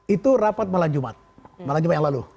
itu rapat malam jumat malam jumat yang lalu